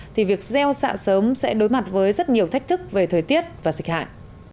thì việc gieo xạ sớm sẽ đối mặt với rất nhiều thách thức về thời tiết và dịch hại